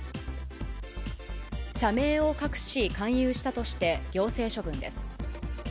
社名を隠し、勧誘したとして、行政処分です。